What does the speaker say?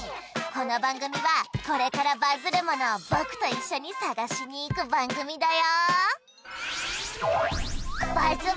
この番組はこれからバズるものを僕と一緒に探しに行く番組だよ